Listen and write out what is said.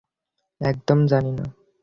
একদম জানি না।